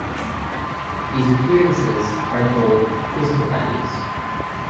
These appearances are called Christophanies.